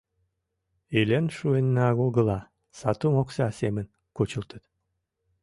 Илен шуынна огыла — сатум окса семын кучылтыт.